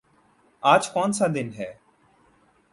آج کونسا دن ہے؟